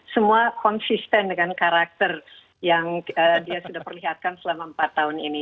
semua konsisten dengan karakter yang dia sudah perlihatkan selama empat tahun ini